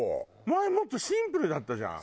前もっとシンプルだったじゃん。